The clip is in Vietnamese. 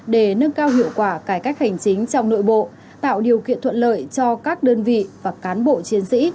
để nâng cao hiệu quả cải cách hành chính trong nội bộ tạo điều kiện thuận lợi cho các đơn vị và cán bộ chiến sĩ